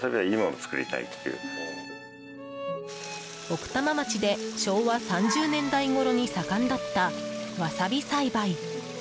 奥多摩町で昭和３０年代ごろに盛んだったワサビ栽培。